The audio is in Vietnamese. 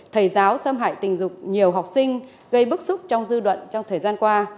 thầy giáo xâm hại tình dục nhiều học sinh gây bức xúc trong dư luận trong thời gian qua